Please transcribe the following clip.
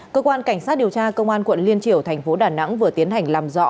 cơ quan cảnh sát điều tra công an quận liên triểu thành phố đà nẵng vừa tiến hành làm rõ